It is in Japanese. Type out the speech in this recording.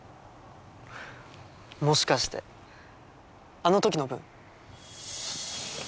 もしかしてあの時の分？